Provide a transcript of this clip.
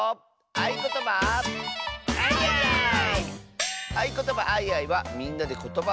「あいことばあいあい」はみんなでことばをあわせるあそび！